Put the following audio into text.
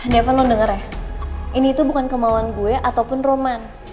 devon lo denger ya ini tuh bukan kemauan gue ataupun roman